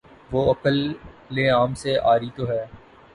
وہ عقل عام سے عاری تو ہے۔